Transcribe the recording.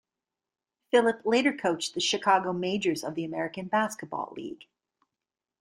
Phillip later coached the Chicago Majors of the American Basketball League.